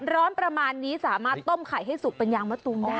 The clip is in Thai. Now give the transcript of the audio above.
ประมาณนี้สามารถต้มไข่ให้สุกเป็นยางมะตูมได้